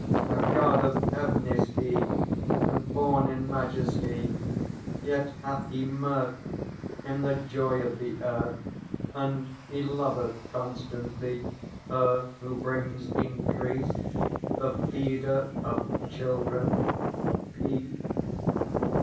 A God of Heaven is he, And born in majesty; Yet hath he mirth In the joy of the Earth, And he loveth constantly Her who brings increase, The Feeder of Children, Peace.